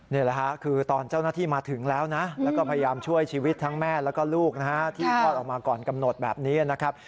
นี่แหละค่ะคือตอนเจ้าหน้าที่มาถึงแล้วนะแล้วก็พยายามช่วยชีวิตทั้งแม่แล้วก็ลูกนะฮะที่คลอดออกมาก่อนกำหนดแบบนี้นะครับ